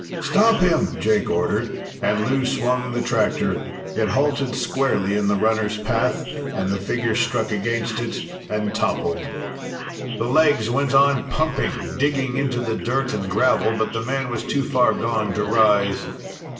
"Stop him!" Jake ordered, and Lou swung the tractor. It halted squarely in the runner's path, and the figure struck against it and toppled. The legs went on pumping, digging into the dirt and gravel, but the man was too far gone to rise.